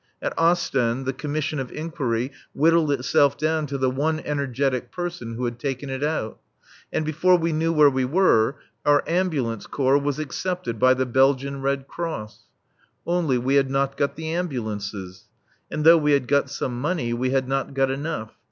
At Ostend the commission of inquiry whittled itself down to the one energetic person who had taken it out. And before we knew where we were our Ambulance Corps was accepted by the Belgian Red Cross. Only we had not got the ambulances. And though we had got some money, we had not got enough.